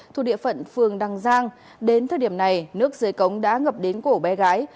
thuộc địa phận phường đăng giang đến thời điểm này nước dưới cống đã ngập đến cổ bé gái